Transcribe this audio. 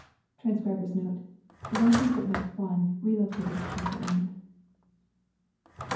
[Transcriber's Note: Lengthy footnote (1) relocated to chapter end.